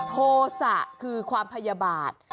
โทษะคือความพยาบาล